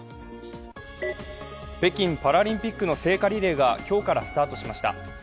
北京パラリンピックの聖火リレーが今日からスタートしました。